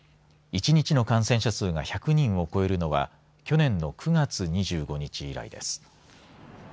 １日の感染者数が１００人を超えるのは去年の９月２５日以来です。